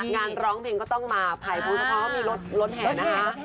งานร้องเพลงก็ต้องมาภัยบูเฉพาะมีรถแห่นะคะ